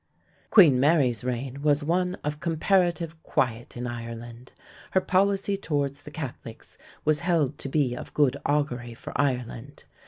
Queen Mary's reign was one of comparative quiet in Ireland. Her policy towards the Catholics was held to be of good augury for Ireland.